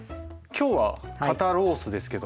今日は肩ロースですけども。